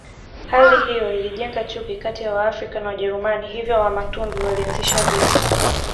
Hali hiyo ilijenga chuki kati ya Waafrika na Wajerumani hivyo Wamatumbi walianzisha vita